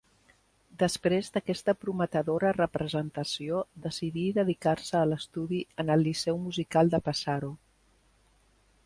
Després d'aquesta prometedora representació, decidí dedicar-se a l'estudi en el Liceu musical de Pesaro.